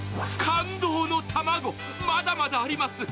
感動の卵、まだまだあります。